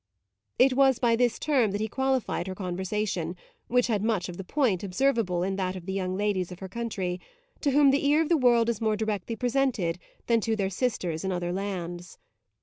It was by this term that he qualified her conversation, which had much of the "point" observable in that of the young ladies of her country, to whom the ear of the world is more directly presented than to their sisters in other lands.